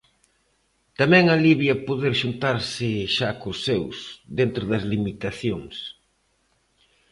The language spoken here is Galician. Tamén alivia poder xuntarse xa cos seus, dentro das limitacións.